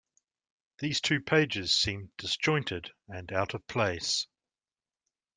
These two pages seem disjointed and out of place.